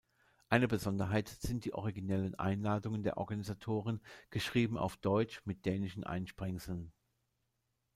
Eine Besonderheit sind die originellen Einladungen der Organisatoren, geschrieben auf Deutsch mit dänischen Einsprengseln.